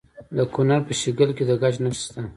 د کونړ په شیګل کې د ګچ نښې شته.